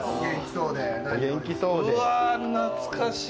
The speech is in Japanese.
うわ、懐かしい！